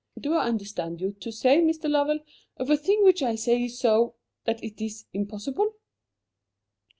"Do I understand you to say, Mr. Lovell, of a thing which I say is so that it is impossible?"